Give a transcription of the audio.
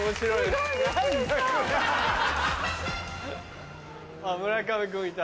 あっ村上君いた。